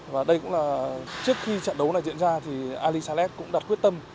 và đây cũng là trước khi trận đấu này diễn ra thì ali salet cũng đặt quyết tâm